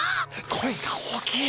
声が大きい。